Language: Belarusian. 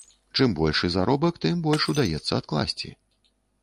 Чым большы заробак, тым больш удаецца адкласці.